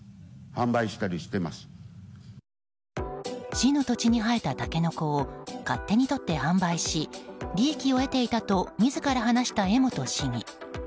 市の土地に生えたタケノコを勝手に採って販売し利益を得ていたと自ら話した江本市議。